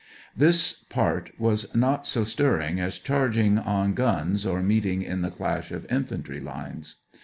This part was not so stirring as charging on guns or meeting in the clash of infantry lines.